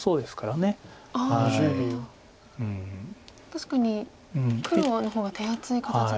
確かに黒の方が手厚い形ですか。